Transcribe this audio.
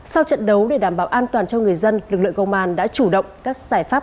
sau trận đấu để đảm bảo an toàn cho người dân lực lượng công an đã chủ động các giải pháp